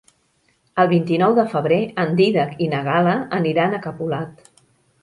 El vint-i-nou de febrer en Dídac i na Gal·la aniran a Capolat.